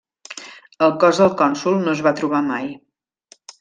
El cos del cònsol no es va trobar mai.